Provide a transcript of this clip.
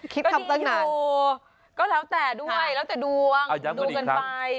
คิดคำตั้งนานก็ดีอยู่ก็แล้วแต่ด้วยแล้วแต่ดูอ่ะดูกันไป